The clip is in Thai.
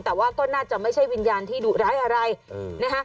แต่ว่าก็น่าจะไม่ใช่วิญญาณที่ดุร้ายอะไรนะคะ